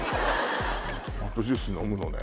トマトジュース飲むのね。